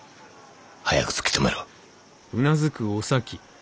早く突き止めろ。